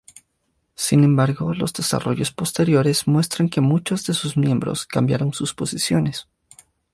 Sin embargo, los desarrollos posteriores muestran que muchos de sus miembros cambiaron sus posiciones.